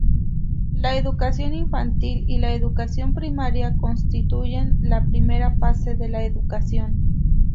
La educación infantil y la educación primaria constituyen la primera fase de la educación.